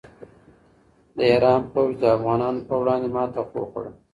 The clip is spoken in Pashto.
د ایران پوځ د افغانانو په وړاندې ماته وخوړه.